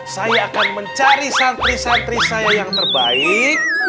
saya akan mencari santri santri saya yang terbaik